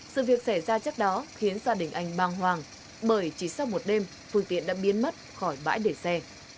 sự việc xảy ra chắc đó khiến gia đình anh băng hoàng bởi chỉ sau một đêm phương tiện đã biến mất khỏi bãi để xe